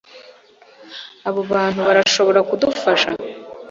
Abo bantu barashobora kudufasha.